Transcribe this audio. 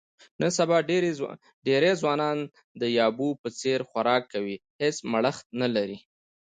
نن سبا ډېری ځوانان د یابو په څیر خوراک کوي، هېڅ مړښت نه لري.